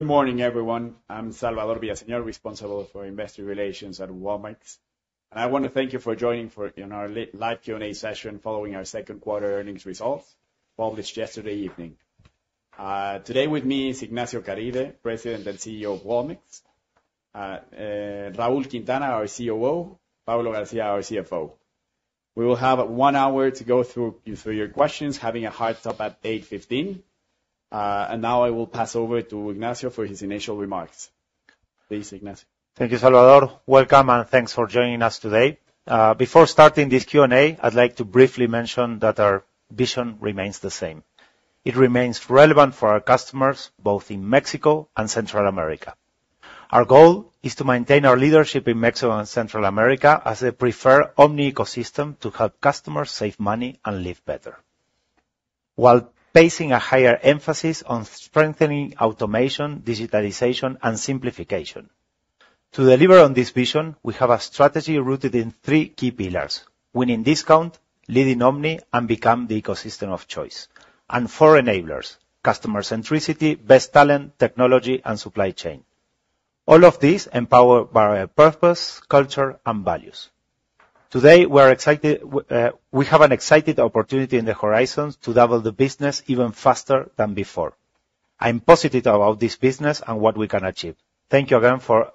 Good morning, everyone. I'm Salvador Villaseñor, responsible for investor relations at Walmex. I want to thank you for joining for our live Q&A session following our second quarter earnings results published yesterday evening. Today with me is Ignacio Caride, President and CEO of Walmex. Raúl Quintana, our COO. Paulo Garcia, our CFO. We will have one hour to go through your questions, having a hard stop at 8:15 A.M. Now I will pass over to Ignacio for his initial remarks. Please, Ignacio. Thank you, Salvador. Welcome, and thanks for joining us today. Before starting this Q&A, I'd like to briefly mention that our vision remains the same. It remains relevant for our customers both in Mexico and Central America. Our goal is to maintain our leadership in Mexico and Central America as a preferred omni ecosystem to help customers save money and live better, while placing a higher emphasis on strengthening automation, digitalization, and simplification. To deliver on this vision, we have a strategy rooted in three key pillars: winning discount, leading omni, and become the ecosystem of choice; and four enablers: customer centricity, best talent, technology, and supply chain. All of these empowered by our purpose, culture, and values. Today, we have an exciting opportunity in the horizons to double the business even faster than before. I'm positive about this business and what we can achieve. Thank you again for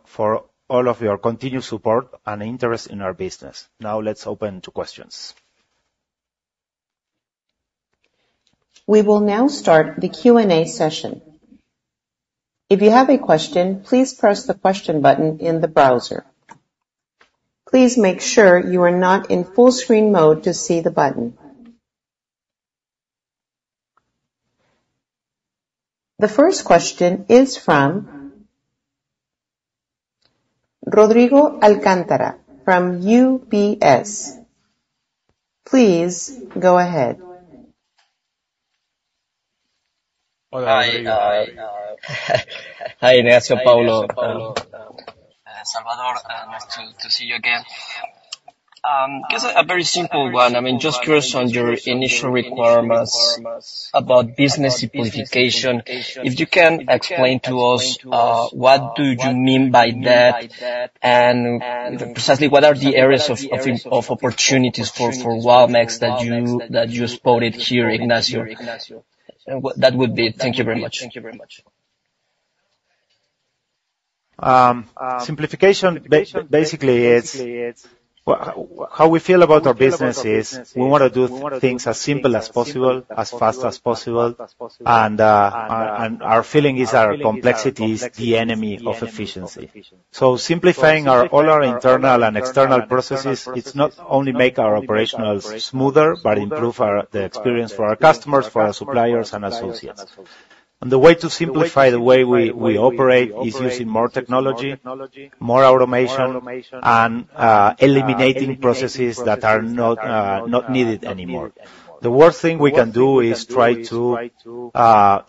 all of your continued support and interest in our business. Now, let's open to questions. We will now start the Q&A session. If you have a question, please press the question button in the browser. Please make sure you are not in full screen mode to see the button. The first question is from Rodrigo Alcántara from UBS. Please go ahead. Hi, Ignacio, Paulo. Salvador, nice to see you again. Just a very simple one. I mean, just curious on your initial requirements about business simplification. If you can explain to us, what do you mean by that? And precisely, what are the areas of opportunities for Walmart that you spotted here, Ignacio? That would be it. Thank you very much. Simplification, basically, it's how we feel about our businesses. We want to do things as simple as possible, as fast as possible. Our feeling is our complexity is the enemy of efficiency. Simplifying all our internal and external processes is not only to make our operations smoother, but improve the experience for our customers, for our suppliers, and associates. The way to simplify the way we operate is using more technology, more automation, and eliminating processes that are not needed anymore. The worst thing we can do is try to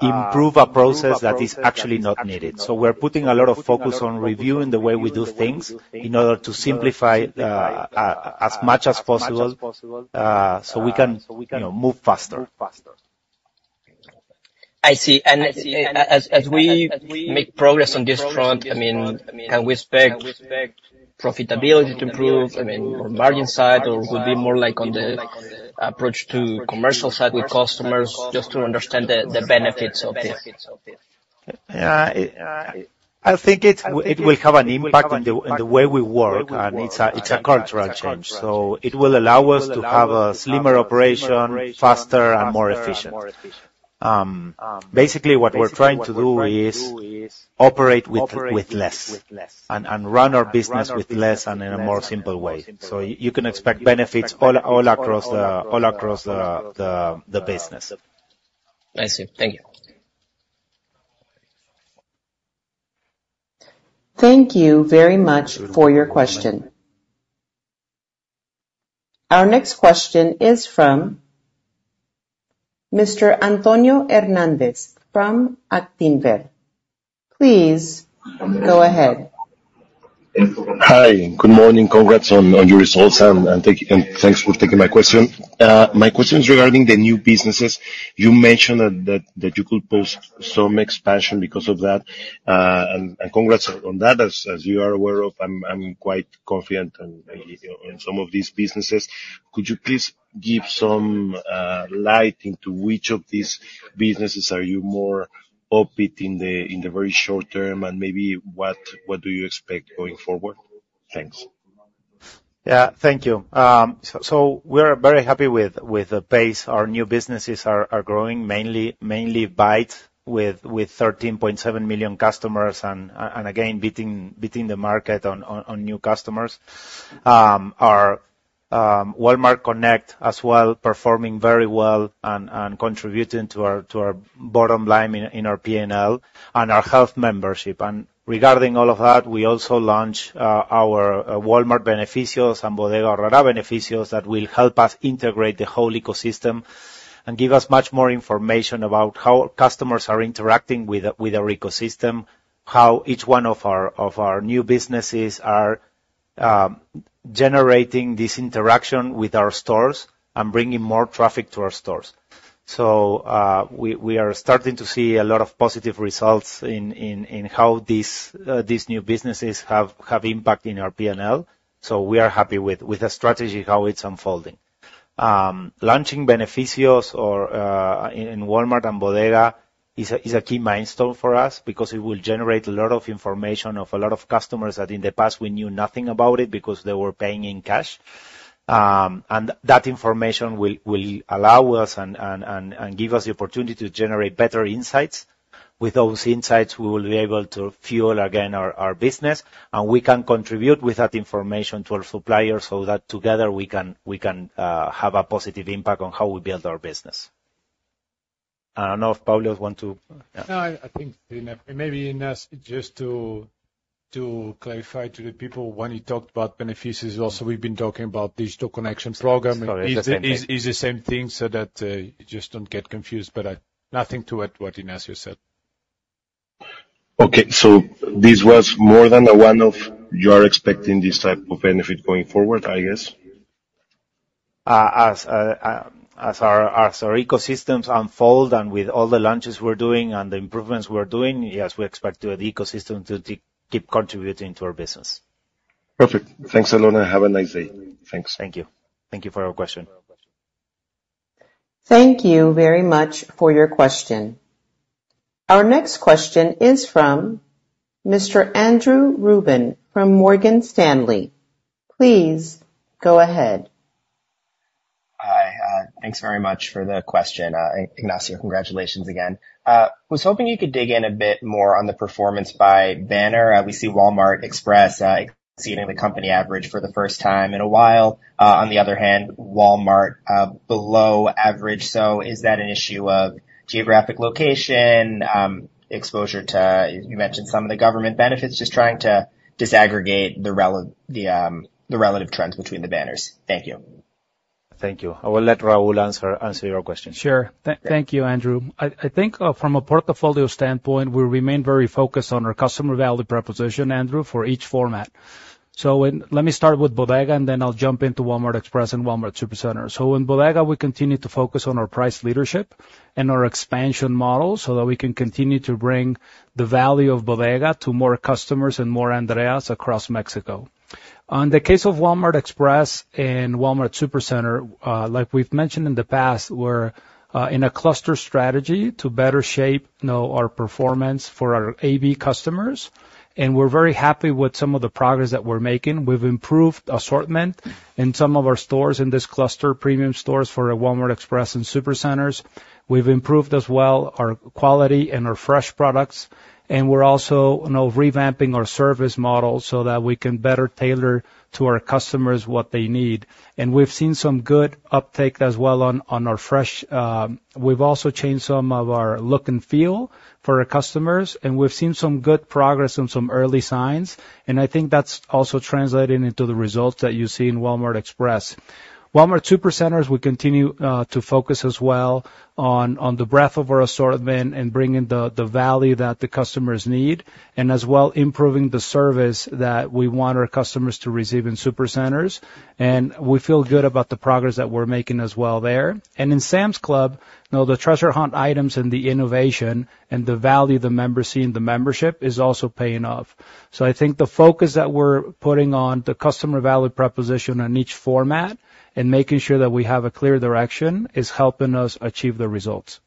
improve a process that is actually not needed. We're putting a lot of focus on reviewing the way we do things in order to simplify as much as possible so we can move faster. I see. As we make progress on this front, I mean, can we expect profitability to improve on the margin side or would it be more like on the approach to commercial side with customers just to understand the benefits of it? Yeah. I think it will have an impact on the way we work, and it's a cultural change. So it will allow us to have a slimmer operation, faster, and more efficient. Basically, what we're trying to do is operate with less and run our business with less and in a more simple way. So you can expect benefits all across the business. I see. Thank you. Thank you very much for your question. Our next question is from Mr. Antonio Hernández from Actinver. Please go ahead. Hi. Good morning. Congrats on your results, and thanks for taking my question. My question is regarding the new businesses. You mentioned that you could post some expansion because of that. Congrats on that. As you are aware of, I'm quite confident in some of these businesses. Could you please give some light into which of these businesses are you more opting in the very short term? Maybe what do you expect going forward? Thanks. Yeah. Thank you. So we're very happy with the pace. Our new businesses are growing mainly Bait with 13.7 million customers and, again, beating the market on new customers. Our Walmart Connect as well, performing very well and contributing to our bottom line in our P&L and our health membership. And regarding all of that, we also launched our Walmart Beneficios and Bodega Aurrera Beneficios that will help us integrate the whole ecosystem and give us much more information about how customers are interacting with our ecosystem, how each one of our new businesses are generating this interaction with our stores and bringing more traffic to our stores. So we are starting to see a lot of positive results in how these new businesses have impact in our P&L. So we are happy with the strategy, how it's unfolding. Launching Beneficios in Walmart and Bodega is a key milestone for us because it will generate a lot of information of a lot of customers that in the past we knew nothing about because they were paying in cash. That information will allow us and give us the opportunity to generate better insights. With those insights, we will be able to fuel again our business. We can contribute with that information to our suppliers so that together we can have a positive impact on how we build our business. I don't know if Paulo wants to. No, I think maybe Ignacio, just to clarify to the people, when you talked about Beneficios, also we've been talking about digital connections program. It's the same thing so that you just don't get confused. But nothing to add to what Ignacio said. Okay. So this was more than the one-off. You are expecting this type of benefit going forward, I guess? As our ecosystems unfold and with all the launches we're doing and the improvements we're doing, yes, we expect the ecosystem to keep contributing to our business. Perfect. Thanks alot and have a nice day. Thanks. Thank you. Thank you for your question. Thank you very much for your question. Our next question is from Mr. Andrew Ruben from Morgan Stanley. Please go ahead. Hi. Thanks very much for the question, Ignacio. Congratulations again. I was hoping you could dig in a bit more on the performance by banner. We see Walmart Express exceeding the company average for the first time in a while. On the other hand, Walmart below average. So is that an issue of geographic location, exposure to, you mentioned some of the government benefits, just trying to disaggregate the relative trends between the banners? Thank you. Thank you. I will let Raúl answer your question. Sure. Thank you, Andrew. I think from a portfolio standpoint, we remain very focused on our customer value proposition, Andrew, for each format. So let me start with Bodega, and then I'll jump into Walmart Express and Walmart Supercenter. So in Bodega, we continue to focus on our price leadership and our expansion model so that we can continue to bring the value of Bodega to more customers and more areas across Mexico. In the case of Walmart Express and Walmart Supercenter, like we've mentioned in the past, we're in a cluster strategy to better shape our performance for our AB customers. And we're very happy with some of the progress that we're making. We've improved assortment in some of our stores in this cluster, premium stores for Walmart Express and Supercenters. We've improved as well our quality and our fresh products. We're also revamping our service model so that we can better tailor to our customers what they need. We've seen some good uptake as well on our fresh. We've also changed some of our look and feel for our customers. We've seen some good progress on some early signs. I think that's also translated into the results that you see in Walmart Express. Walmart Supercenters, we continue to focus as well on the breadth of our assortment and bringing the value that the customers need, and as well improving the service that we want our customers to receive in Supercenters. We feel good about the progress that we're making as well there. In Sam's Club, the treasure hunt items and the innovation and the value the members see in the membership is also paying off. I think the focus that we're putting on the customer value proposition on each format and making sure that we have a clear direction is helping us achieve the results.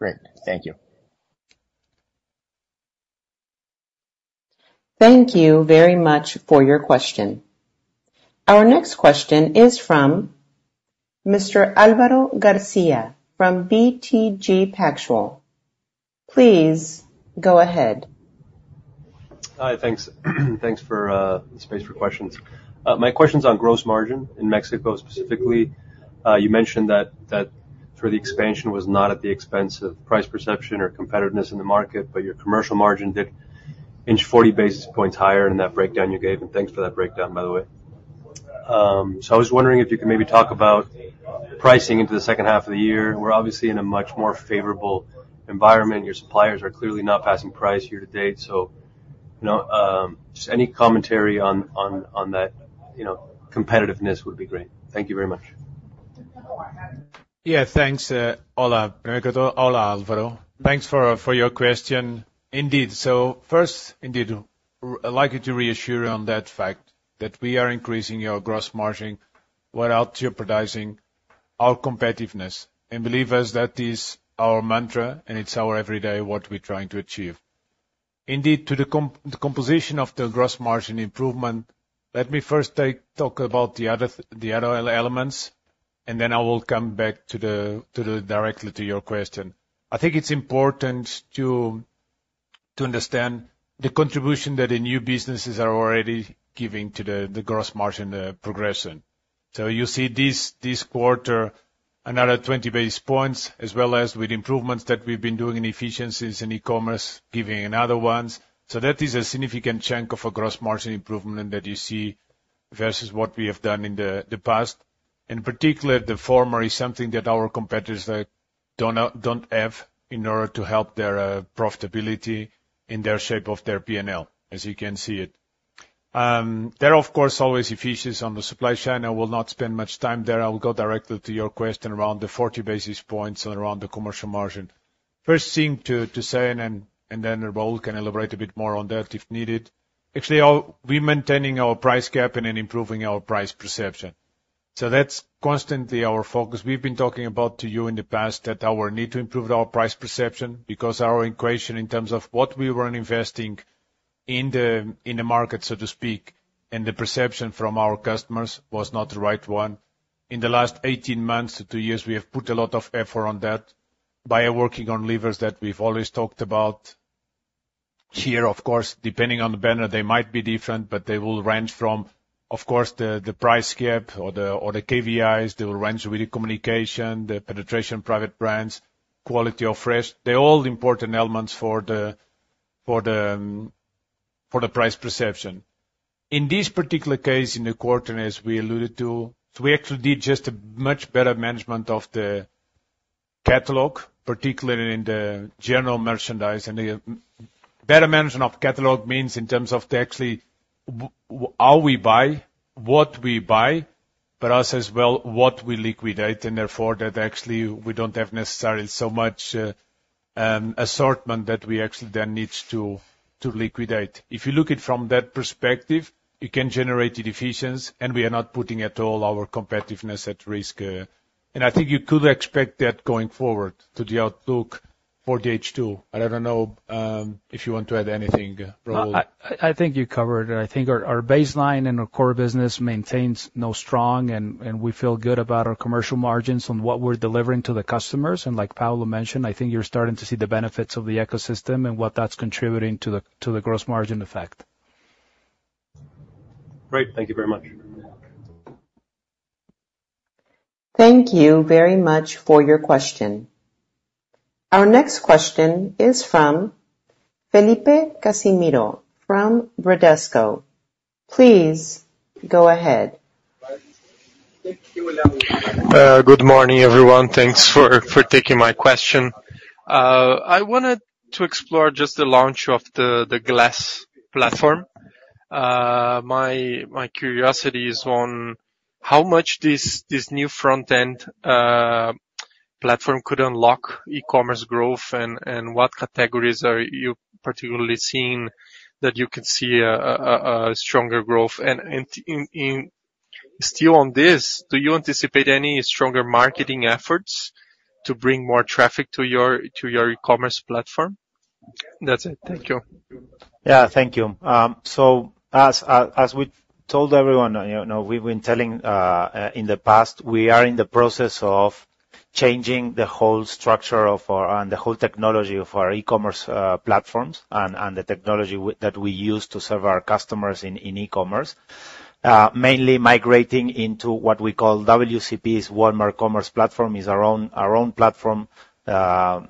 Great. Thank you. Thank you very much for your question. Our next question is from Mr. Álvaro Garcia from BTG Pactual. Please go ahead. Hi. Thanks. Thanks for the space for questions. My question's on gross margin in Mexico specifically. You mentioned that sort of the expansion was not at the expense of price perception or competitiveness in the market, but your commercial margin did inch 40 basis points higher in that breakdown you gave. And thanks for that breakdown, by the way. So I was wondering if you could maybe talk about pricing into the second half of the year. We're obviously in a much more favorable environment. Your suppliers are clearly not passing price year to date. So just any commentary on that competitiveness would be great. Thank you very much. Yeah. Thanks, Álvaro. Thanks for your question. Indeed. So first, indeed, I'd like to reassure you on that fact that we are increasing our gross margin without jeopardizing our competitiveness. And believe us, that is our mantra, and it's our everyday what we're trying to achieve. Indeed, to the composition of the gross margin improvement, let me first talk about the other elements, and then I will come back directly to your question. I think it's important to understand the contribution that the new businesses are already giving to the gross margin progression. So you see this quarter, another 20 basis points, as well as with improvements that we've been doing in efficiencies and e-commerce giving another ones. So that is a significant chunk of a gross margin improvement that you see versus what we have done in the past. And particularly, the former is something that our competitors don't have in order to help their profitability in the shape of their P&L, as you can see it. There, of course, always efficiency on the supply chain. I will not spend much time there. I will go directly to your question around the 40 basis points and around the commercial margin. First thing to say, and then Raúl can elaborate a bit more on that if needed, actually, we're maintaining our price gap and improving our price perception. So that's constantly our focus. We've been talking about to you in the past that our need to improve our price perception because our equation in terms of what we were investing in the market, so to speak, and the perception from our customers was not the right one. In the last 18 months to 2 years, we have put a lot of effort on that by working on levers that we've always talked about here. Of course, depending on the banner, they might be different, but they will range from, of course, the price gap or the KVIs. They will range with the communication, the penetration, private brands, quality of fresh. They're all important elements for the price perception. In this particular case, in the quarter, as we alluded to, we actually did just a much better management of the catalog, particularly in the general merchandise. And better management of catalog means in terms of actually how we buy, what we buy, but also as well what we liquidate. And therefore, that actually we don't have necessarily so much assortment that we actually then need to liquidate. If you look at it from that perspective, you can generate efficiency, and we are not putting at all our competitiveness at risk. And I think you could expect that going forward to the outlook for the H2. I don't know if you want to add anything, Raúl? I think you covered it. I think our baseline and our core business maintains strong, and we feel good about our commercial margins on what we're delivering to the customers. And like Paulo mentioned, I think you're starting to see the benefits of the ecosystem and what that's contributing to the gross margin effect. Great. Thank you very much. Thank you very much for your question. Our next question is from Felipe Cassimiro from Bradesco. Please go ahead. Good morning, everyone. Thanks for taking my question. I wanted to explore just the launch of the Glass platform. My curiosity is on how much this new front-end platform could unlock e-commerce growth, and what categories are you particularly seeing that you can see a stronger growth? Still on this, do you anticipate any stronger marketing efforts to bring more traffic to your e-commerce platform? That's it. Thank you. Yeah. Thank you. So as we told everyone, we've been telling in the past, we are in the process of changing the whole structure and the whole technology of our e-commerce platforms and the technology that we use to serve our customers in e-commerce, mainly migrating into what we call WCPs, Walmart Commerce Platform, is our own platform that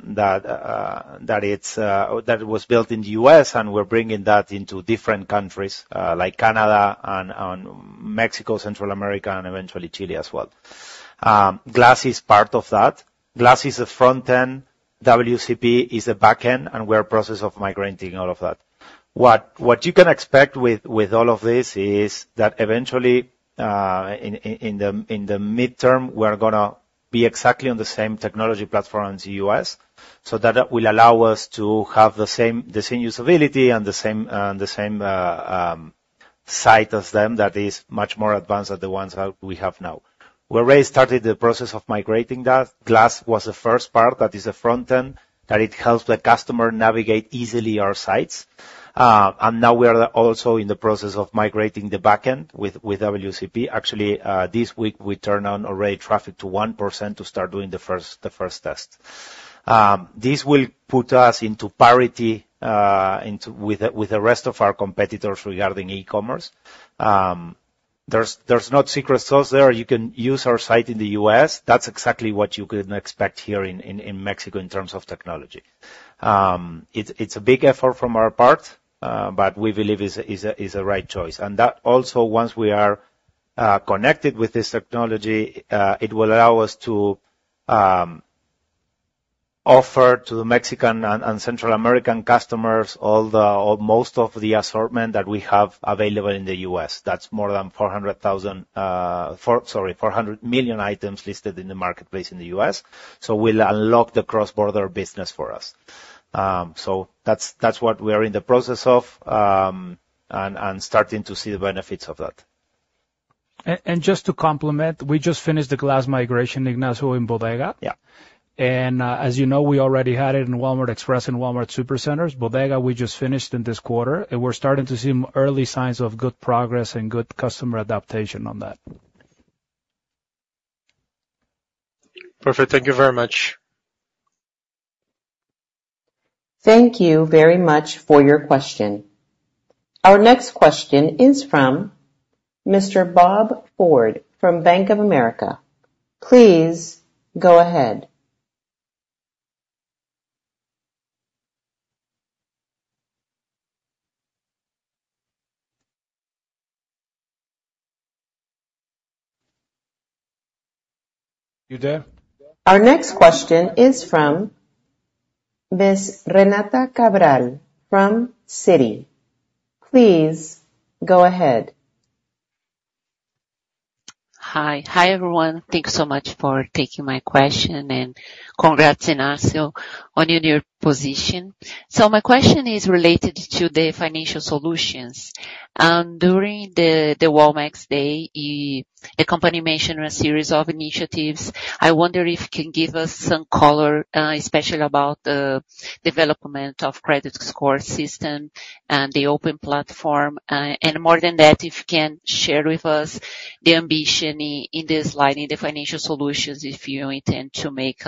was built in the U.S., and we're bringing that into different countries like Canada and Mexico, Central America, and eventually Chile as well. Glass is part of that. Glass is a front-end, WCP is a back-end, and we're in the process of migrating all of that. What you can expect with all of this is that eventually, in the midterm, we're going to be exactly on the same technology platform as the U.S., so that will allow us to have the same usability and the same site as them that is much more advanced than the ones that we have now. We already started the process of migrating that. Glass was the first part that is a front-end that helps the customer navigate easily our sites. Now we are also in the process of migrating the back-end with WCP. Actually, this week, we turned on already traffic to 1% to start doing the first test. This will put us into parity with the rest of our competitors regarding e-commerce. There's no secret sauce there. You can use our site in the U.S. That's exactly what you can expect here in Mexico in terms of technology. It's a big effort from our part, but we believe it's the right choice. And that also, once we are connected with this technology, it will allow us to offer to the Mexican and Central American customers most of the assortment that we have available in the U.S. That's more than 400,000, sorry, 400 million items listed in the marketplace in the U.S. So we'll unlock the cross-border business for us. So that's what we are in the process of and starting to see the benefits of that. Just to complement, we just finished the Glass migration, Ignacio, in Bodega. As you know, we already had it in Walmart Express and Walmart Supercenters. Bodega, we just finished in this quarter, and we're starting to see early signs of good progress and good customer adaptation on that. Perfect. Thank you very much. Thank you very much for your question. Our next question is from Mr. Bob Ford from Bank of America. Please go ahead. You there? Our next question is from Ms. Renata Cabral from Citi. Please go ahead. Hi. Hi, everyone. Thank you so much for taking my question and congrats on your new position. So my question is related to the financial solutions. During the Walmart Day, the company mentioned a series of initiatives. I wonder if you can give us some color, especially about the development of the credit score system and the open platform? And more than that, if you can share with us the ambition in this light in the financial solutions if you intend to make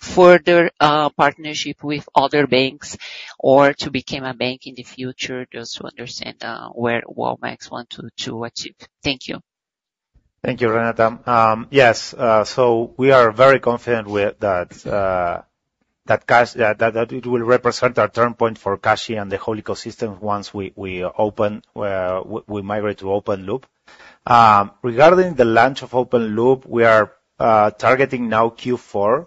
further partnerships with other banks or to become a bank in the future, just to understand where Walmart wants to achieve. Thank you. Thank you, Renata. Yes. So we are very confident that it will represent our turning point for Cashi and the whole ecosystem once we migrate to Open Loop. Regarding the launch of Open Loop, we are targeting now Q4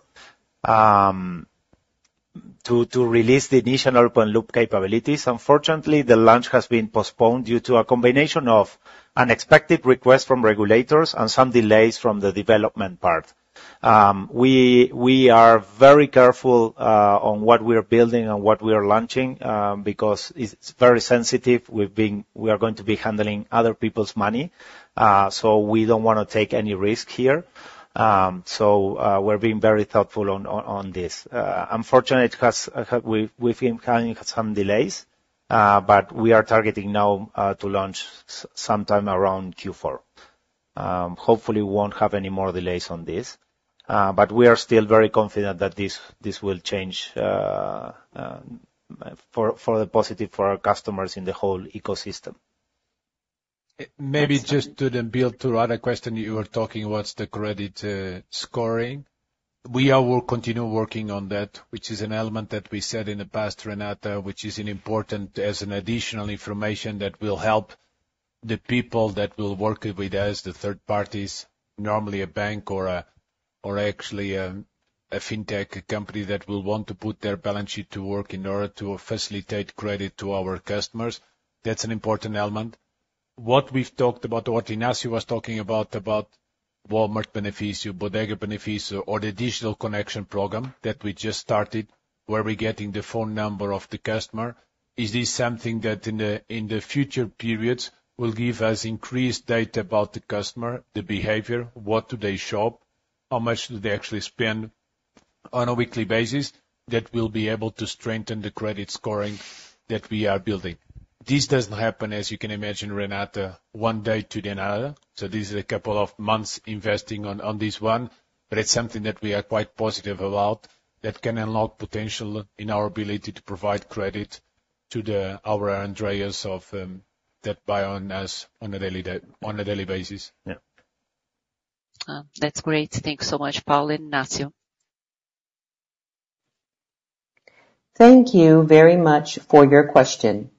to release the initial Open Loop capabilities. Unfortunately, the launch has been postponed due to a combination of unexpected requests from regulators and some delays from the development part. We are very careful on what we are building and what we are launching because it's very sensitive. We are going to be handling other people's money, so we don't want to take any risk here. So we're being very thoughtful on this. Unfortunately, we've been having some delays, but we are targeting now to launch sometime around Q4. Hopefully, we won't have any more delays on this. But we are still very confident that this will change for the positive for our customers in the whole ecosystem. Maybe just to build to another question you were talking about, the credit scoring. We will continue working on that, which is an element that we said in the past, Renata, which is important as additional information that will help the people that will work with us, the third parties, normally a bank or actually a fintech company that will want to put their balance sheet to work in order to facilitate credit to our customers. That's an important element. What we've talked about, what Ignacio was talking about, about Walmart benefits, Bodega benefits, or the digital connection program that we just started, where we're getting the phone number of the customer, is this something that in the future periods will give us increased data about the customer, the behavior, what do they shop, how much do they actually spend on a weekly basis that will be able to strengthen the credit scoring that we are building? This doesn't happen, as you can imagine, Renata, one day to the next. So this is a couple of months investing on this one, but it's something that we are quite positive about that can unlock potential in our ability to provide credit to our end users that buy from us on a daily basis. That's great. Thanks so much, Paulo and Ignacio. Thank you very much for your question.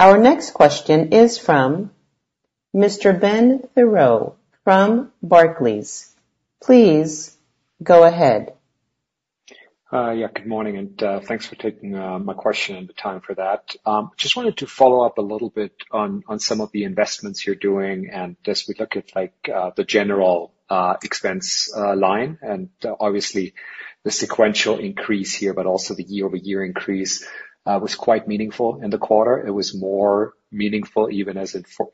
Our next question is from Mr. Ben Theurer from Barclays. Please go ahead. Yeah. Good morning, and thanks for taking my question and the time for that. Just wanted to follow up a little bit on some of the investments you're doing. As we look at the general expense line and obviously the sequential increase here, but also the year-over-year increase was quite meaningful in the quarter. It was more meaningful even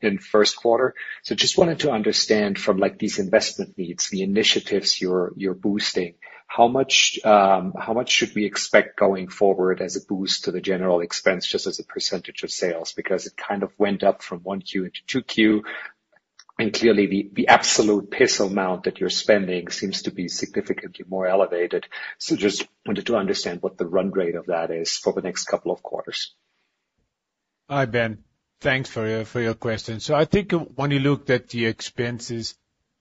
in first quarter. So just wanted to understand from these investment needs, the initiatives you're boosting, how much should we expect going forward as a boost to the general expense, just as a percentage of sales? Because it kind of went up from 1Q into 2Q, and clearly, the absolute peso amount that you're spending seems to be significantly more elevated. So just wanted to understand what the run rate of that is for the next couple of quarters. Hi, Ben. Thanks for your question. So I think when you looked at the expenses,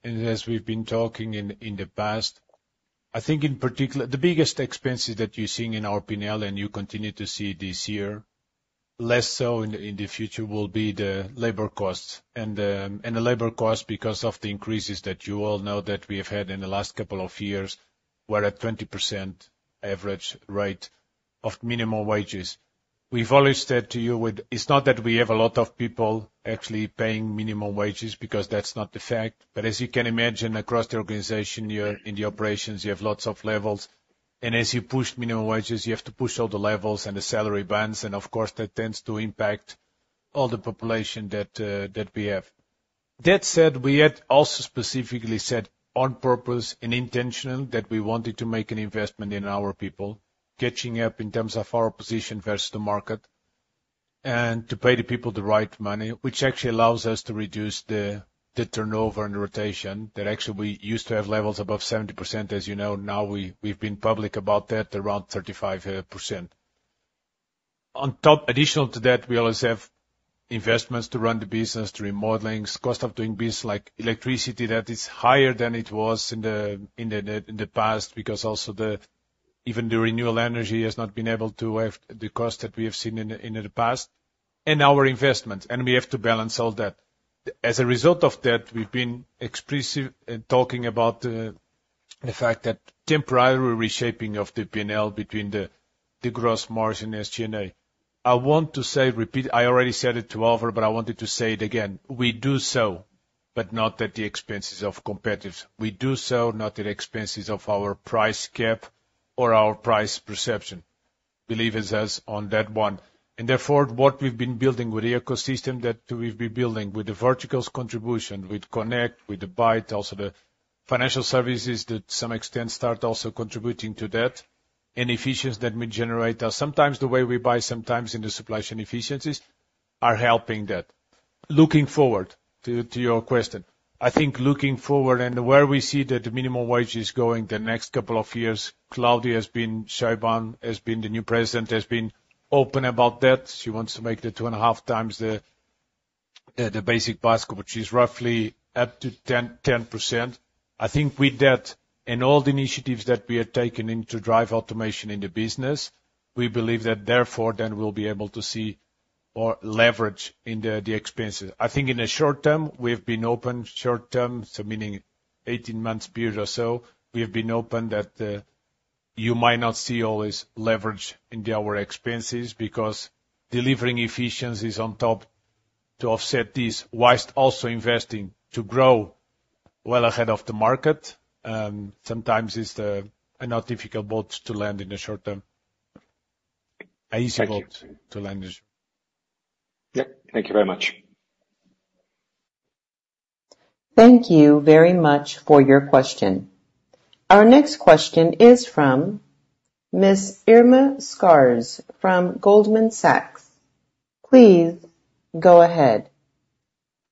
and as we've been talking in the past, I think in particular, the biggest expenses that you're seeing in our P&L, and you continue to see this year, less so in the future, will be the labor costs. And the labor costs, because of the increases that you all know that we have had in the last couple of years, were at 20% average rate of minimum wages. We've always said to you, it's not that we have a lot of people actually paying minimum wages because that's not the fact. But as you can imagine, across the organization, in the operations, you have lots of levels. And as you push minimum wages, you have to push all the levels and the salary bands. And of course, that tends to impact all the population that we have. That said, we had also specifically said on purpose and intentionally that we wanted to make an investment in our people, catching up in terms of our position versus the market, and to pay the people the right money, which actually allows us to reduce the turnover and the rotation that actually we used to have levels above 70%. As you know, now we've been public about that, around 35%. On top, additional to that, we always have investments to run the business, to remodelings, cost of doing business like electricity that is higher than it was in the past because also even the renewable energy has not been able to have the cost that we have seen in the past, and our investments. And we have to balance all that. As a result of that, we've been explicitly talking about the fact that temporary reshaping of the P&L between the gross margin and SG&A. I want to say, repeat, I already said it too often, but I wanted to say it again. We do so, but not at the expenses of competitors. We do so, not at the expenses of our price gap or our price perception. Believe us on that one. And therefore, what we've been building with the ecosystem that we've been building with the verticals contribution, with Connect, with the Bait, also the financial services that to some extent start also contributing to that, and efficiencies that we generate. Sometimes the way we buy, sometimes in the supply chain efficiencies are helping that. Looking forward to your question, I think looking forward and where we see that the minimum wage is going the next couple of years, Claudia Sheinbaum has been, the new president has been open about that. She wants to make the 2.5x the basic basket, which is roughly up to 10%. I think with that and all the initiatives that we are taking into drive automation in the business, we believe that therefore then we'll be able to see more leverage in the expenses. I think in the short term, we've been open short term, so meaning 18 months period or so, we have been open that you might not see all this leverage in our expenses because delivering efficiencies on top to offset this while also investing to grow well ahead of the market. Sometimes it's not difficult but to land in the short term. Easy but to land in the short term. Yep. Thank you very much. Thank you very much for your question. Our next question is from Ms. Irma Sgarz from Goldman Sachs. Please go ahead.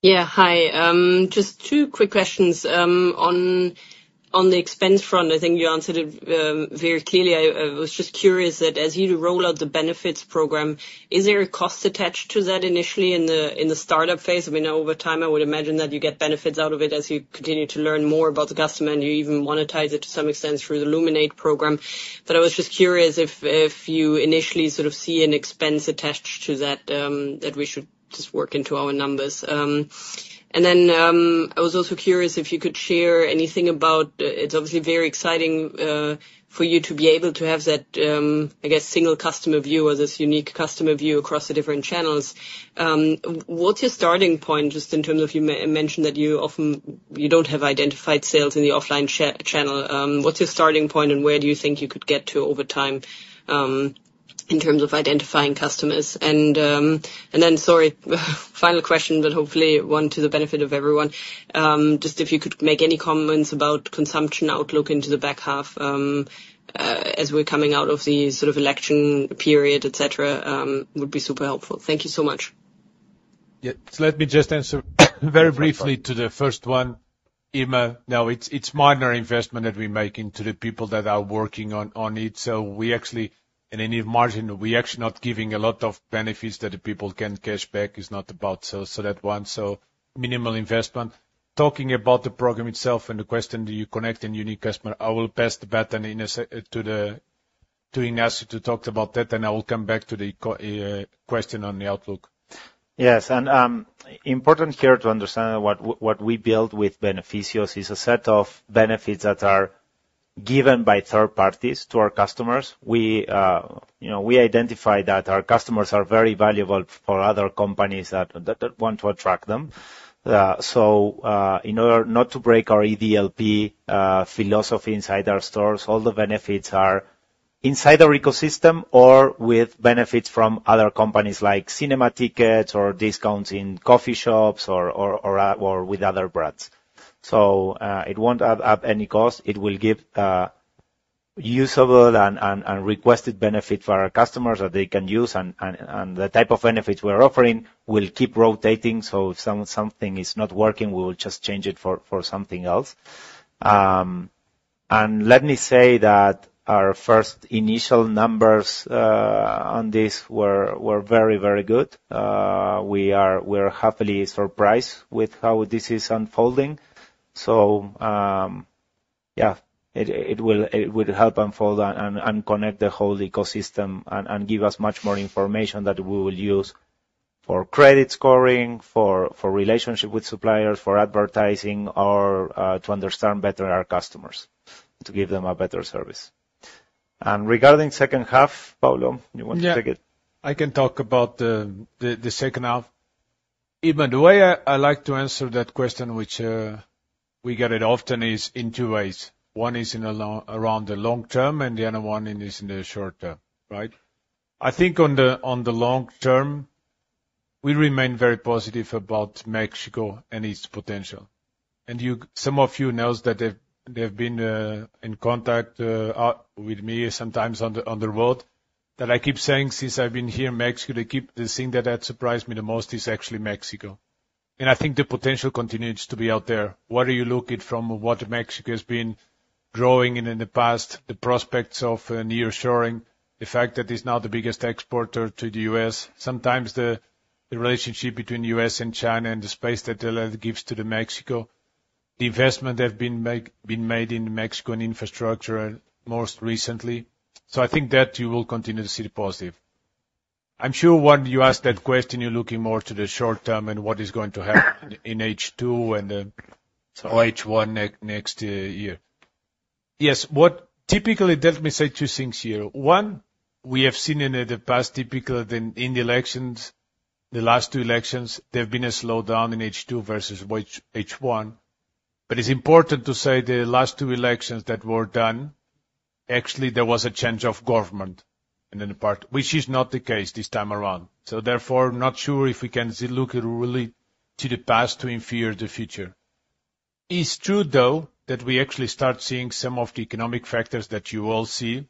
Yeah. Hi. Just two quick questions. On the expense front, I think you answered it very clearly. I was just curious that as you roll out the benefits program, is there a cost attached to that initially in the startup phase? I mean, over time, I would imagine that you get benefits out of it as you continue to learn more about the customer and you even monetize it to some extent through the Luminate program. But I was just curious if you initially sort of see an expense attached to that that we should just work into our numbers. And then I was also curious if you could share anything about, it's obviously very exciting for you to be able to have that, I guess, single customer view or this unique customer view across the different channels. What's your starting point just in terms of you mentioned that you often don't have identified sales in the offline channel? What's your starting point and where do you think you could get to over time in terms of identifying customers? And then, sorry, final question, but hopefully one to the benefit of everyone. Just if you could make any comments about consumption outlook into the back half as we're coming out of the sort of election period, etc., would be super helpful. Thank you so much. Yeah. So let me just answer very briefly to the first one, Irma. Now, it's minor investment that we make into the people that are working on it. So we actually, in any margin, we're actually not giving a lot of benefits that the people can cash back. It's not about that one. So minimal investment. Talking about the program itself and the question that you connect and unique customer, I will pass the baton to Ignacio to talk about that, and I will come back to the question on the outlook. Yes. Important here to understand what we build with Beneficios is a set of benefits that are given by third parties to our customers. We identify that our customers are very valuable for other companies that want to attract them. So in order not to break our EDLP philosophy inside our stores, all the benefits are inside our ecosystem or with benefits from other companies like cinema tickets or discounts in coffee shops or with other brands. So it won't add up any cost. It will give usable and requested benefits for our customers that they can use. And the type of benefits we're offering will keep rotating. So if something is not working, we will just change it for something else. And let me say that our first initial numbers on this were very, very good. We are happily surprised with how this is unfolding. So yeah, it will help unfold and connect the whole ecosystem and give us much more information that we will use for credit scoring, for relationship with suppliers, for advertising, or to understand better our customers, to give them a better service. And regarding second half, Paulo, you want to take it? Yeah. I can talk about the second half. Irma, the way I like to answer that question, which we get it often, is in two ways. One is around the long term, and the other one is in the short term, right? I think on the long term, we remain very positive about Mexico and its potential. And some of you know that they've been in contact with me sometimes on the road that I keep saying since I've been here, Mexico, the thing that surprised me the most is actually Mexico. And I think the potential continues to be out there. Whether you look at from what Mexico has been growing in the past, the prospects of nearshoring, the fact that it's now the biggest exporter to the US, sometimes the relationship between the U.S. and China and the space that it gives to Mexico, the investment that's been made in Mexico and infrastructure most recently. So I think that you will continue to see the positive. I'm sure when you ask that question, you're looking more to the short term and what is going to happen in H2 and H1 next year. Yes. Typically, let me say two things here. One, we have seen in the past, typically in the elections, the last two elections, there've been a slowdown in H2 versus H1. But it's important to say the last two elections that were done, actually, there was a change of government in the department, which is not the case this time around. So therefore, not sure if we can look really to the past to infer the future. It's true, though, that we actually start seeing some of the economic factors that you all see,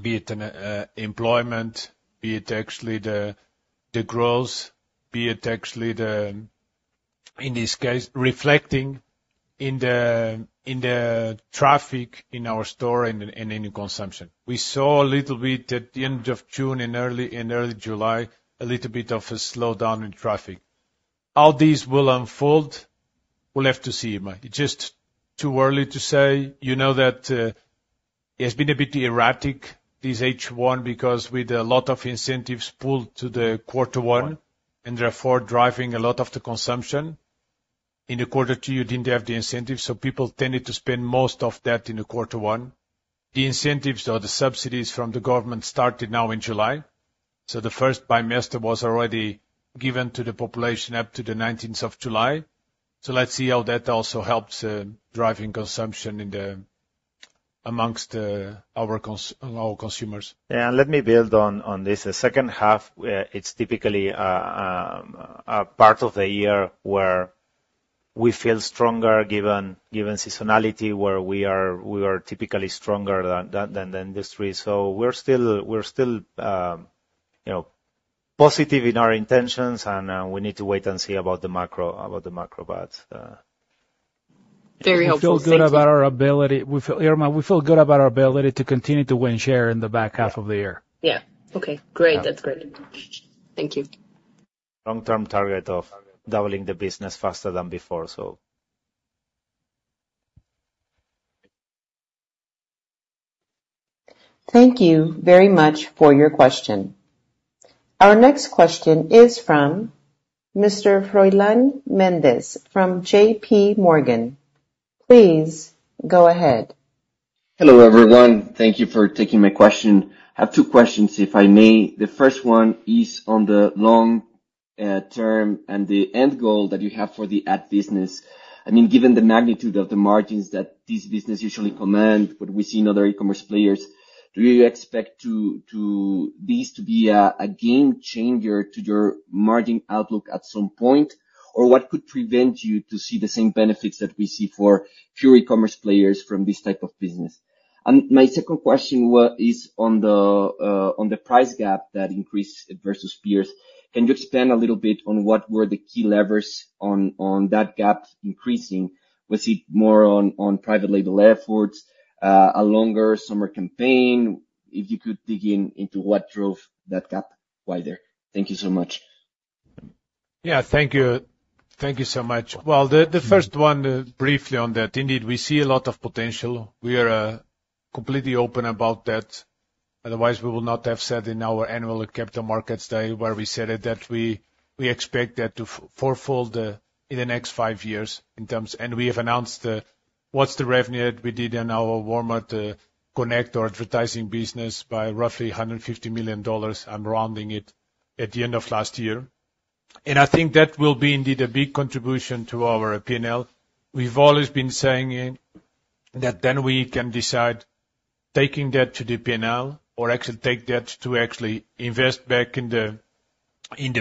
be it employment, be it actually the growth, be it actually the, in this case, reflecting in the traffic in our store and in consumption. We saw a little bit at the end of June and early July, a little bit of a slowdown in traffic. How these will unfold, we'll have to see, but it's just too early to say. You know that it has been a bit erratic, this H1, because with a lot of incentives pulled to the quarter one and therefore driving a lot of the consumption. In the quarter two, you didn't have the incentives, so people tended to spend most of that in the quarter one. The incentives, though, the subsidies from the government started now in July. So the first bimester was already given to the population up to the 19th of July. So let's see how that also helps driving consumption amongst our consumers. Yeah. Let me build on this. The second half, it's typically a part of the year where we feel stronger given seasonality, where we are typically stronger than the industry. We're still positive in our intentions, and we need to wait and see about the macro buts. Very helpful. We feel good about our ability. Irma, we feel good about our ability to continue to win share in the back half of the year. Yeah. Okay. Great. That's great. Thank you. Long-term target of doubling the business faster than before, so. Thank you very much for your question. Our next question is from Mr. Froylan Méndez from J.P. Morgan. Please go ahead. Hello, everyone. Thank you for taking my question. I have two questions, if I may. The first one is on the long term and the end goal that you have for the ad business. I mean, given the magnitude of the margins that this business usually commands, what we see in other e-commerce players, do you expect these to be a game changer to your margin outlook at some point? Or what could prevent you to see the same benefits that we see for pure e-commerce players from this type of business? And my second question is on the price gap that increased versus peers. Can you expand a little bit on what were the key levers on that gap increasing? Was it more on private label efforts, a longer summer campaign? If you could dig into what drove that gap wider? Thank you so much. Yeah. Thank you. Thank you so much. Well, the first one, briefly on that, indeed, we see a lot of potential. We are completely open about that. Otherwise, we will not have said in our annual Capital Markets Day where we said that we expect that to fourfold in the next five years in terms of, and we have announced what's the revenue that we did in our Walmart Connect or advertising business by roughly $150 million. I'm rounding it at the end of last year. And I think that will be indeed a big contribution to our P&L. We've always been saying that then we can decide taking that to the P&L or actually take that to actually invest back in the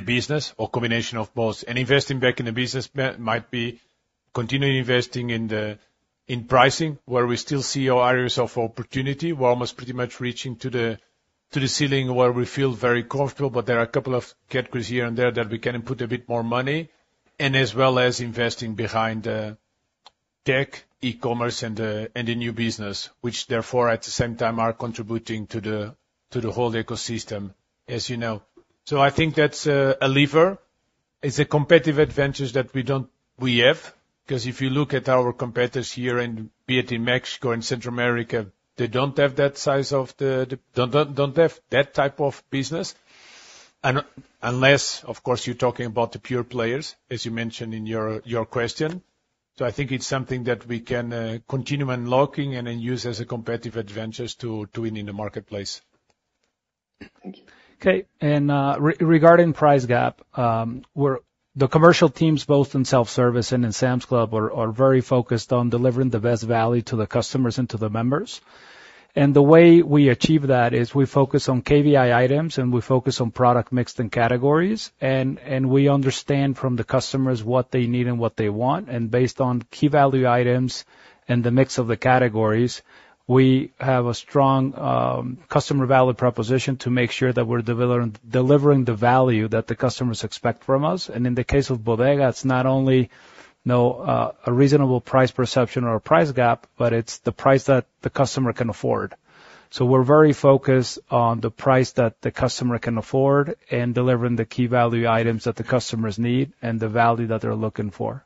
business or combination of both. And investing back in the business might be continuing investing in pricing where we still see areas of opportunity. We're almost pretty much reaching to the ceiling where we feel very comfortable, but there are a couple of categories here and there that we can put a bit more money and as well as investing behind tech, e-commerce, and the new business, which therefore at the same time are contributing to the whole ecosystem, as you know. So I think that's a lever. It's a competitive advantage that we have because if you look at our competitors here, and be it in Mexico and Central America, they don't have that size of the don't have that type of business unless, of course, you're talking about the pure players, as you mentioned in your question. So I think it's something that we can continue unlocking and then use as a competitive advantage to win in the marketplace. Thank you. Okay. Regarding price gap, the commercial teams, both in self-service and in Sam's Club, are very focused on delivering the best value to the customers and to the members. The way we achieve that is we focus on KVI items and we focus on product mix in categories. We understand from the customers what they need and what they want. Based on key value items and the mix of the categories, we have a strong customer value proposition to make sure that we're delivering the value that the customers expect from us. In the case of Bodega, it's not only a reasonable price perception or a price gap, but it's the price that the customer can afford. We're very focused on the price that the customer can afford and delivering the key value items that the customers need and the value that they're looking for.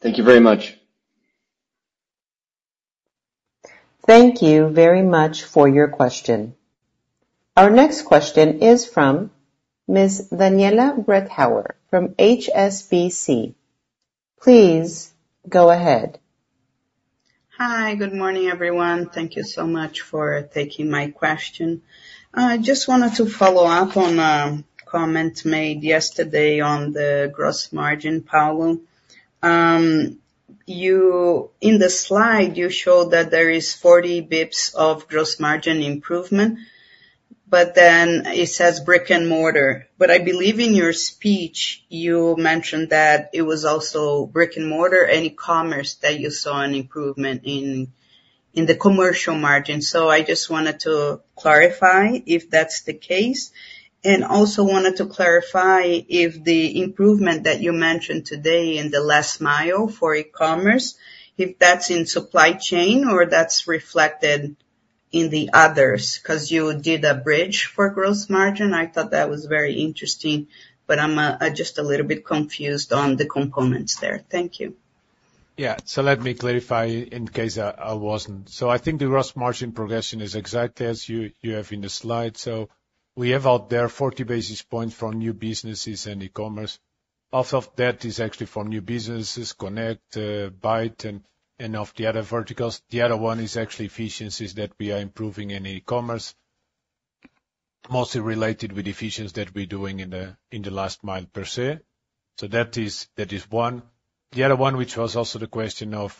Thank you very much. Thank you very much for your question. Our next question is from Ms. Daniela Bretthauer from HSBC. Please go ahead. Hi. Good morning, everyone. Thank you so much for taking my question. I just wanted to follow up on a comment made yesterday on the gross margin, Paulo. In the slide, you showed that there is 40 basis points of gross margin improvement, but then it says brick and mortar. But I believe in your speech, you mentioned that it was also brick and mortar and e-commerce that you saw an improvement in the commercial margin. So I just wanted to clarify if that's the case. And also wanted to clarify if the improvement that you mentioned today in the last mile for e-commerce, if that's in supply chain or that's reflected in the others because you did a bridge for gross margin. I thought that was very interesting, but I'm just a little bit confused on the components there. Thank you. Yeah. So let me clarify in case I wasn't. So I think the gross margin progression is exactly as you have in the slide. So we have out there 40 basis points for new businesses and e-commerce. Half of that is actually for new businesses, Connect, Bait, and of the other verticals. The other one is actually efficiencies that we are improving in e-commerce, mostly related with efficiencies that we're doing in the last mile per se. So that is one. The other one, which was also the question of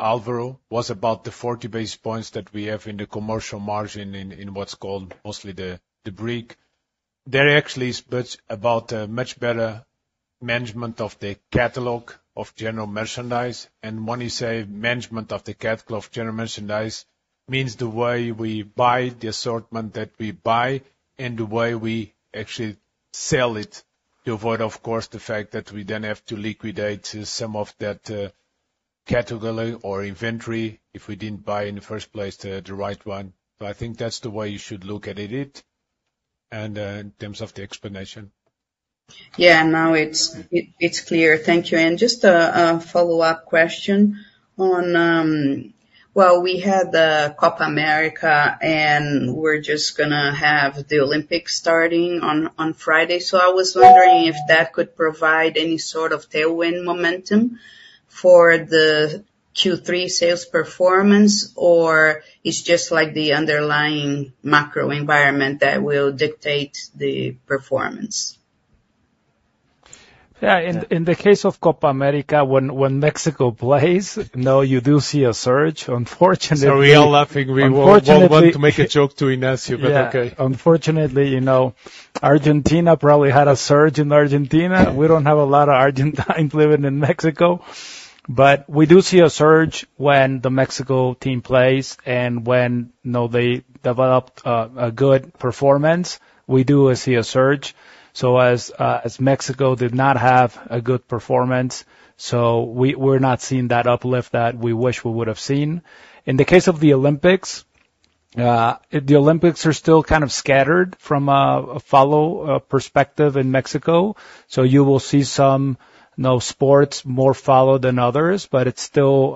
Álvaro, was about the 40 basis points that we have in the commercial margin in what's called mostly the brick. There actually is about a much better management of the catalog of general merchandise. When you say management of the catalog of general merchandise, it means the way we buy the assortment that we buy and the way we actually sell it to avoid, of course, the fact that we then have to liquidate some of that category or inventory if we didn't buy in the first place the right one. I think that's the way you should look at it in terms of the explanation. Yeah. Now it's clear. Thank you. And just a follow-up question on, well, we had the Copa América, and we're just going to have the Olympics starting on Friday. So I was wondering if that could provide any sort of tailwind momentum for the Q3 sales performance, or it's just like the underlying macro environment that will dictate the performance. Yeah. In the case of Copa América, when Mexico plays, you do see a surge. Unfortunately. Sorry. You're laughing. We all want to make a joke to Ignacio, but okay. Unfortunately, Argentina probably had a surge in Argentina. We don't have a lot of Argentines living in Mexico. But we do see a surge when the Mexico team plays and when they develop a good performance. We do see a surge. So as Mexico did not have a good performance, so we're not seeing that uplift that we wish we would have seen. In the case of the Olympics, the Olympics are still kind of scattered from a follow perspective in Mexico. So you will see some sports more followed than others, but it's still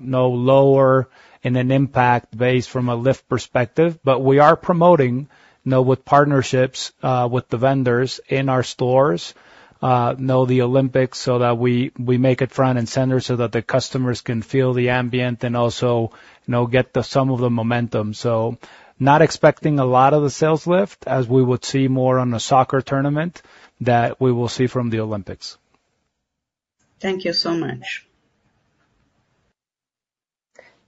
lower in an impact base from a lift perspective. But we are promoting with partnerships with the vendors in our stores the Olympics so that we make it front and center so that the customers can feel the ambient and also get some of the momentum. Not expecting a lot of the sales lift as we would see more on a soccer tournament that we will see from the Olympics. Thank you so much.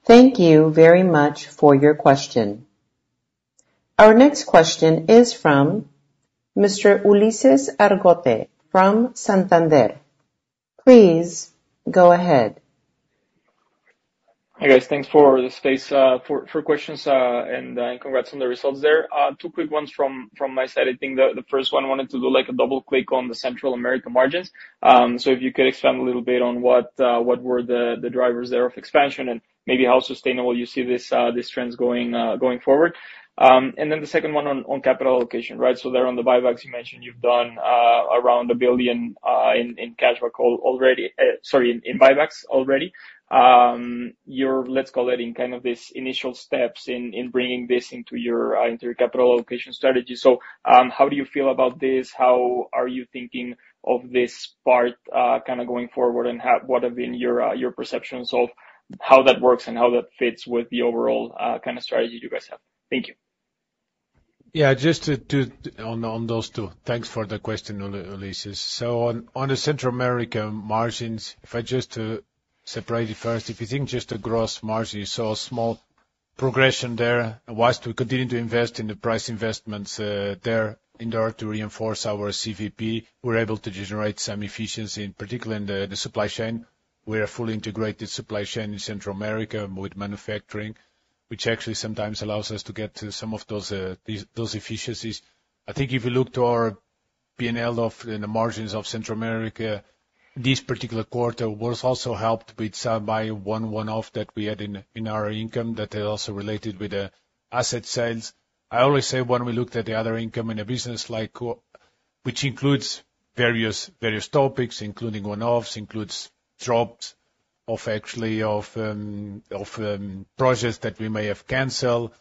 Thank you very much for your question. Our next question is from Mr. Ulises Argote from Santander. Please go ahead. Hi guys. Thanks for the space for questions and congrats on the results there. Two quick ones from my side. I think the first one wanted to do a double click on the Central American margins. So if you could expand a little bit on what were the drivers there of expansion and maybe how sustainable you see this trend going forward? And then the second one on capital allocation, right? So there on the buybacks you mentioned you've done around 1 billion in cashback already, sorry, in buybacks already. Let's call it in kind of these initial steps in bringing this into your capital allocation strategy. So how do you feel about this? How are you thinking of this part kind of going forward and what have been your perceptions of how that works and how that fits with the overall kind of strategy you guys have? Thank you. Yeah. Just on those two, thanks for the question, Ulises. So on the Central American margins, if I just separate it first, if you think just the gross margin, you saw a small progression there. While we continue to invest in the price investments there in order to reinforce our CVP, we're able to generate some efficiency, particularly in the supply chain. We're a fully integrated supply chain in Central America with manufacturing, which actually sometimes allows us to get to some of those efficiencies. I think if you look to our P&L of the margins of Central America, this particular quarter was also helped by one one-off that we had in our income that is also related with the asset sales. I always say when we looked at the other income in a business, which includes various topics, including one-offs, includes drops of actually projects that we may have canceled,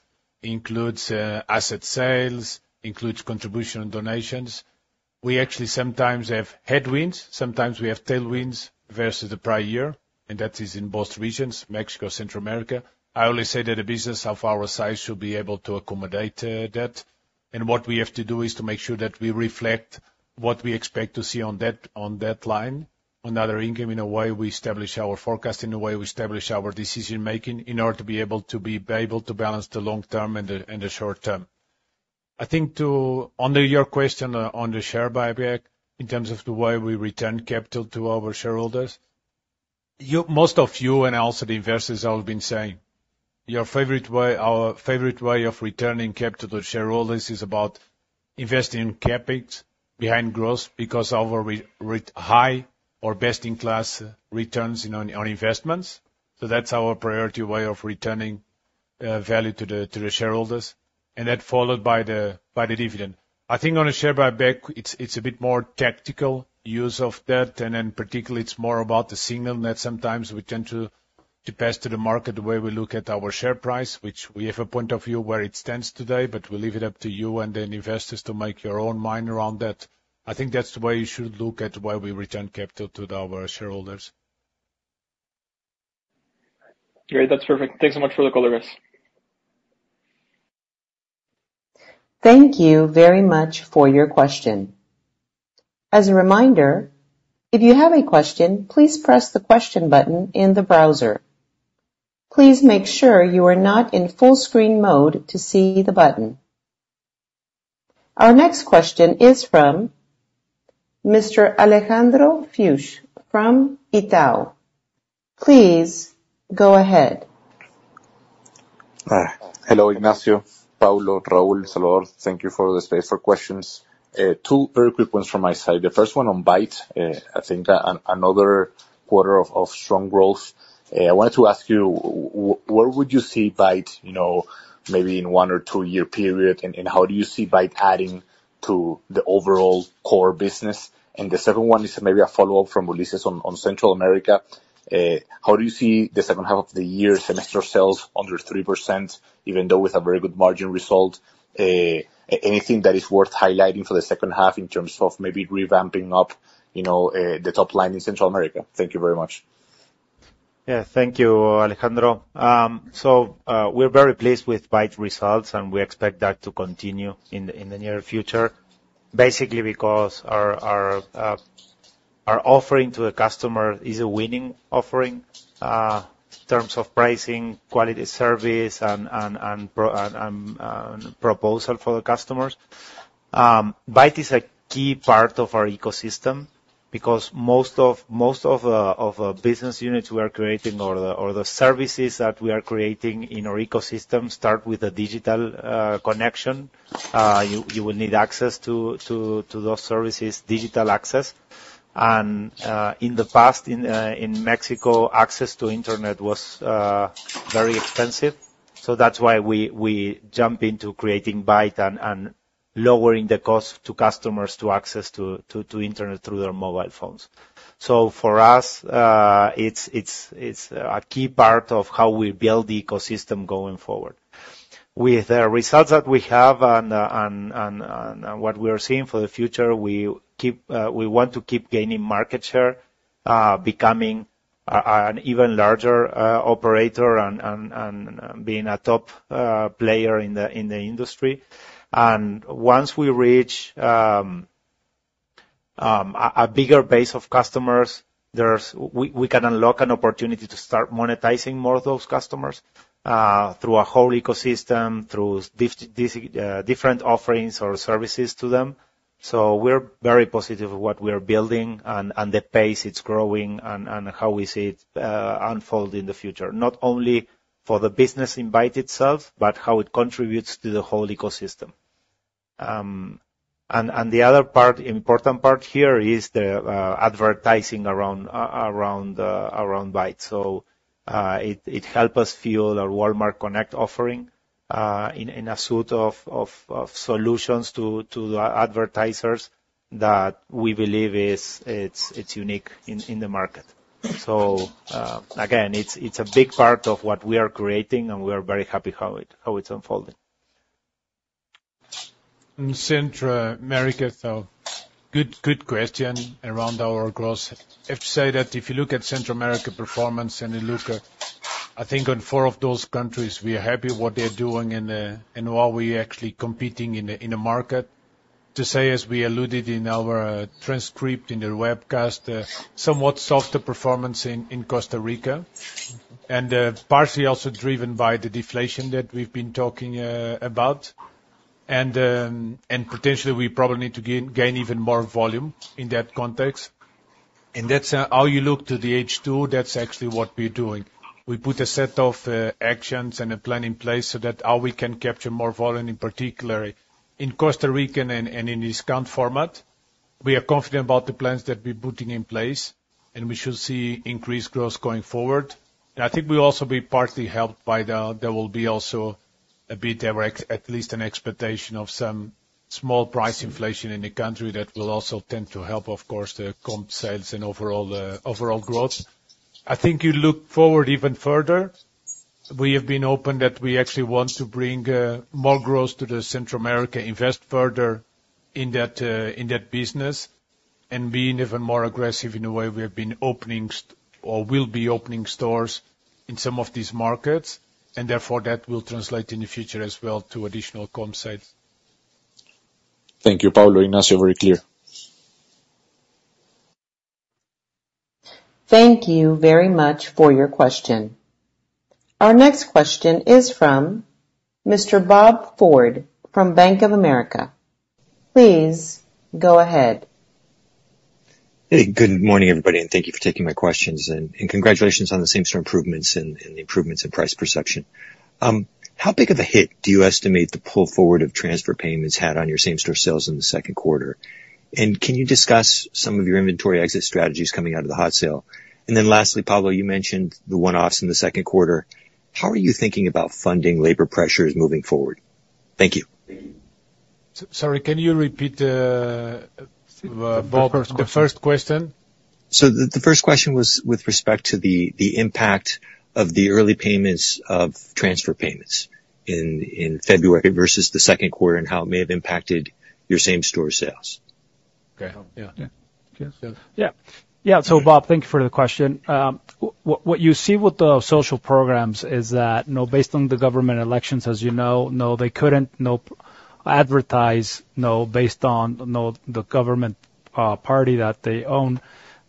includes asset sales, includes contribution donations. We actually sometimes have headwinds. Sometimes we have tailwinds versus the prior year, and that is in both regions, Mexico, Central America. I always say that a business of our size should be able to accommodate that. What we have to do is to make sure that we reflect what we expect to see on that line, on other income in a way we establish our forecast, in a way we establish our decision-making in order to be able to be able to balance the long term and the short term. I think to answer your question on the share buyback in terms of the way we return capital to our shareholders, most of you and also the investors have been saying your favorite way of returning capital to shareholders is about investing in CapEx behind growth because of our high or best-in-class returns on investments. So that's our priority way of returning value to the shareholders, and that followed by the dividend. I think on a share buyback, it's a bit more tactical use of that, and then particularly it's more about the signal that sometimes we tend to pass to the market the way we look at our share price, which we have a point of view where it stands today, but we leave it up to you and then investors to make your own mind around that. I think that's the way you should look at the way we return capital to our shareholders. Great. That's perfect. Thanks so much for the call, guys. Thank you very much for your question. As a reminder, if you have a question, please press the question button in the browser. Please make sure you are not in full screen mode to see the button. Our next question is from Mr. Alejandro Fuchs from Itaú. Please go ahead. Hello, Ignacio, Paulo, Raúl, Salvador. Thank you for the space for questions. Two very quick ones from my side. The first one on Bait, I think another quarter of strong growth. I wanted to ask you, where would you see Bait maybe in one or two-year period, and how do you see Bait adding to the overall core business? And the second one is maybe a follow-up from Ulises on Central America. How do you see the second half of the year semester sales under 3%, even though with a very good margin result? Anything that is worth highlighting for the second half in terms of maybe revamping up the top line in Central America? Thank you very much. Yeah. Thank you, Alejandro. So we're very pleased with Bait's results, and we expect that to continue in the near future, basically because our offering to the customer is a winning offering in terms of pricing, quality service, and proposal for the customers. Bait is a key part of our ecosystem because most of the business units we are creating or the services that we are creating in our ecosystem start with a digital connection. You will need access to those services, digital access. And in the past, in Mexico, access to internet was very expensive. So that's why we jumped into creating Bait and lowering the cost to customers to access to internet through their mobile phones. So for us, it's a key part of how we build the ecosystem going forward. With the results that we have and what we are seeing for the future, we want to keep gaining market share, becoming an even larger operator and being a top player in the industry. And once we reach a bigger base of customers, we can unlock an opportunity to start monetizing more of those customers through a whole ecosystem, through different offerings or services to them. So we're very positive of what we are building and the pace it's growing and how we see it unfold in the future, not only for the business in Bait itself, but how it contributes to the whole ecosystem. And the other important part here is the advertising around Bait. So it helps us fuel our Walmart Connect offering in a suite of solutions to the advertisers that we believe is unique in the market. So again, it's a big part of what we are creating, and we are very happy how it's unfolding. Central America, so good question around our growth. I have to say that if you look at Central America performance and you look, I think on four of those countries, we are happy what they're doing and how we are actually competing in the market. To say, as we alluded in our transcript in the webcast, somewhat softer performance in Costa Rica, and partially also driven by the deflation that we've been talking about. And potentially, we probably need to gain even more volume in that context. And that's how you look to the H2, that's actually what we're doing. We put a set of actions and a plan in place so that how we can capture more volume, in particular in Costa Rica and in discount format. We are confident about the plans that we're putting in place, and we should see increased growth going forward. I think we'll also be partly helped by there will be also a bit of at least an expectation of some small price inflation in the country that will also tend to help, of course, the comp sales and overall growth. I think you look forward even further. We have been open that we actually want to bring more growth to Central America, invest further in that business, and be even more aggressive in a way. We have been opening or will be opening stores in some of these markets, and therefore that will translate in the future as well to additional comp sales. Thank you. Paulo, Ignacio, very clear. Thank you very much for your question. Our next question is from Mr. Bob Ford from Bank of America. Please go ahead. Hey, good morning, everybody, and thank you for taking my questions. Congratulations on the same-store improvements and the improvements in price perception. How big of a hit do you estimate the pull forward of transfer payments had on your same-store sales in the second quarter? And can you discuss some of your inventory exit strategies coming out of the Hot Sale? And then lastly, Paulo, you mentioned the one-offs in the second quarter. How are you thinking about funding labor pressures moving forward? Thank you. Sorry, can you repeat the first question? The first question was with respect to the impact of the early payments of transfer payments in February versus the second quarter and how it may have impacted your same store sales. Okay. So Bob, thank you for the question. What you see with the social programs is that based on the government elections, as you know, they couldn't advertise based on the government party that they own,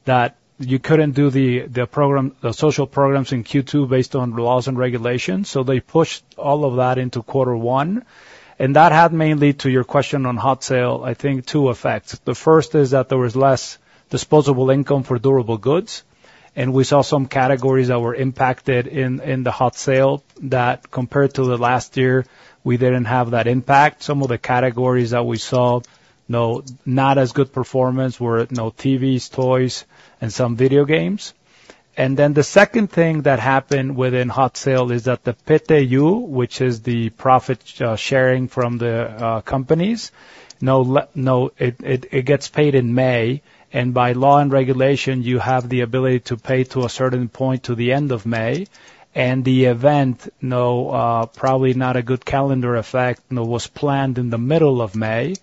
that you couldn't do the social programs in Q2 based on laws and regulations. So they pushed all of that into quarter one. And that had mainly to your question on Hot Sale, I think, two effects. The first is that there was less disposable income for durable goods. And we saw some categories that were impacted in the Hot Sale that compared to the last year, we didn't have that impact. Some of the categories that we saw, not as good performance were TVs, toys, and some video games. And then the second thing that happened within Hot Sale is that the PTU, which is the profit sharing from the companies, it gets paid in May. And by law and regulation, you have the ability to pay to a certain point to the end of May. And the event, probably not a good calendar effect, was planned in the middle of May.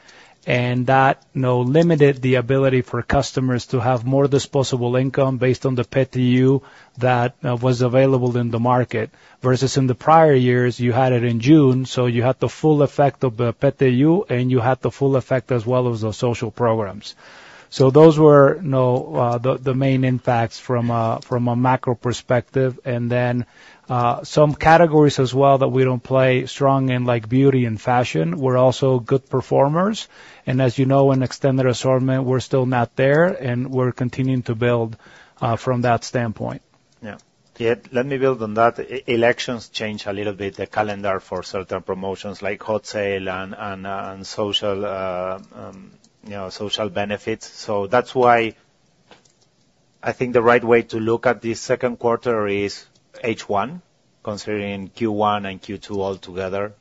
And that limited the ability for customers to have more disposable income based on the PTU that was available in the market versus in the prior years, you had it in June. So you had the full effect of the PTU, and you had the full effect as well as the social programs. So those were the main impacts from a macro perspective. And then some categories as well that we don't play strong in like beauty and fashion were also good performers. As you know, in extended assortment, we're still not there, and we're continuing to build from that standpoint. Yeah. Let me build on that. Elections change a little bit the calendar for certain promotions like Hot Sale and social benefits. So that's why I think the right way to look at this second quarter is H1, considering Q1 and Q2 altogether.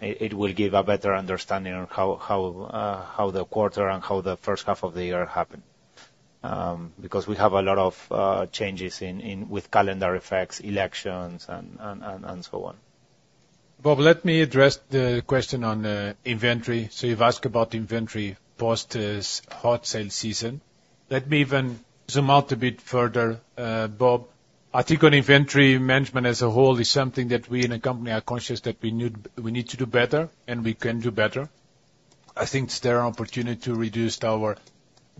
It will give a better understanding of how the quarter and how the first half of the year happened because we have a lot of changes with calendar effects, elections, and so on. Bob, let me address the question on inventory. So you've asked about inventory post Hot Sale season. Let me even zoom out a bit further, Bob. I think on inventory management as a whole is something that we in the company are conscious that we need to do better, and we can do better. I think there's an opportunity to reduce our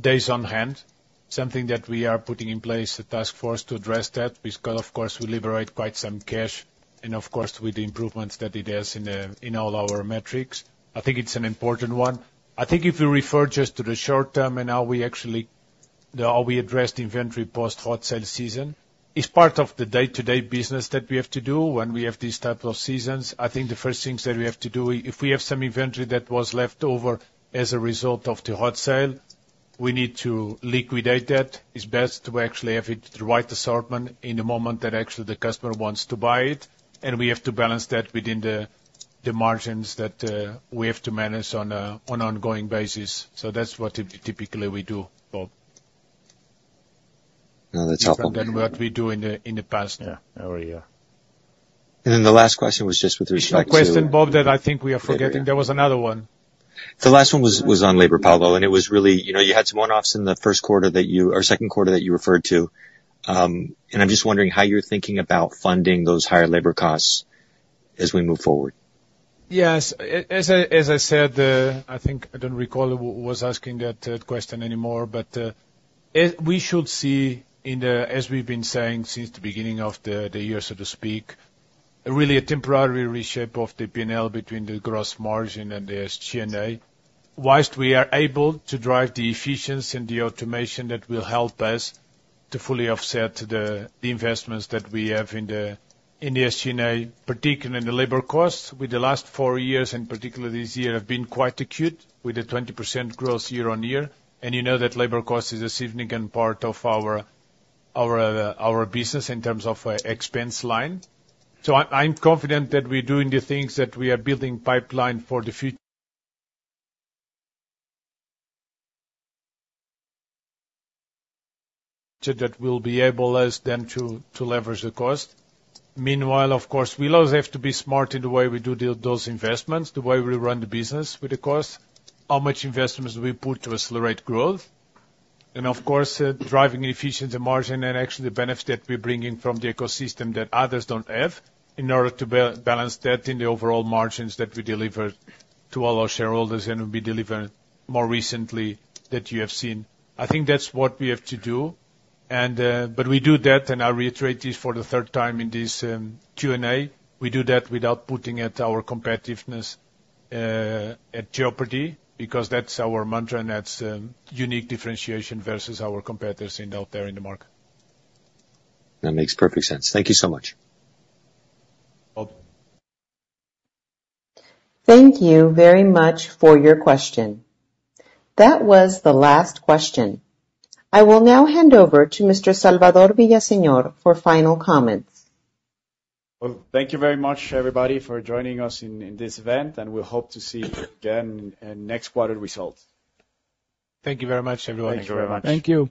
days on hand, something that we are putting in place a task force to address that because, of course, we liberate quite some cash. Of course, with the improvements that it has in all our metrics, I think it's an important one. I think if you refer just to the short term and how we actually address the inventory post Hot Sale season, it's part of the day-to-day business that we have to do when we have these types of seasons. I think the first things that we have to do, if we have some inventory that was left over as a result of the Hot Sale, we need to liquidate that. It's best to actually have the right assortment in the moment that actually the customer wants to buy it. We have to balance that within the margins that we have to manage on an ongoing basis. That's what typically we do, Bob. No, that's helpful. Than what we do in the past. Yeah. Oh yeah. And then the last question was just with respect to. Is there a question, Bob, that I think we are forgetting? There was another one. The last one was on labor, Paulo, and it was really you had some one-offs in the first quarter that you or second quarter that you referred to. I'm just wondering how you're thinking about funding those higher labor costs as we move forward. Yes. As I said, I think I don't recall who was asking that question anymore, but we should see, as we've been saying since the beginning of the year, so to speak, really a temporary reshape of the P&L between the gross margin and the SG&A. While we are able to drive the efficiency and the automation that will help us to fully offset the investments that we have in the SG&A, particularly in the labor costs with the last four years and particularly this year have been quite acute with the 20% growth year-over-year. And you know that labor cost is a significant part of our business in terms of expense line. So I'm confident that we're doing the things that we are building pipeline for the future so that we'll be able then to leverage the cost. Meanwhile, of course, we always have to be smart in the way we do those investments, the way we run the business with the costs, how much investments we put to accelerate growth. And of course, driving efficiency margin and actually the benefit that we're bringing from the ecosystem that others don't have in order to balance that in the overall margins that we deliver to all our shareholders and will be delivered more recently that you have seen. I think that's what we have to do. But we do that, and I reiterate this for the third time in this Q&A, we do that without putting at our competitiveness at jeopardy because that's our mantra and that's unique differentiation versus our competitors out there in the market. That makes perfect sense. Thank you so much. Thank you very much for your question. That was the last question. I will now hand over to Mr. Salvador Villaseñor for final comments. Thank you very much, everybody, for joining us in this event, and we hope to see you again next quarter results. Thank you very much, everyone. Thank you very much. Thank you.